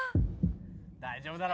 「大丈夫だろ？」